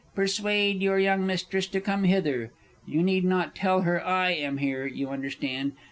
Persuade your young Mistress to come hither you need not tell her I am here, you understand.